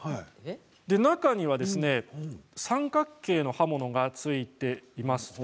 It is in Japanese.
中には三角形の刃物がついています。